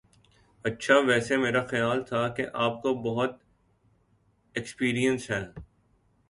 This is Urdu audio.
اچھا ویسے میرا خیال تھا کہ آپ کو بہت ایکسپیرینس ہے